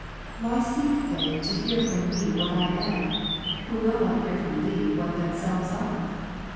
Why seek they to hear from me what I am; who will not hear from Thee what themselves are